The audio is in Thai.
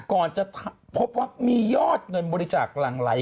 ก่อนจะพบว่ามียอดเงินบริจาคหลั่งไหล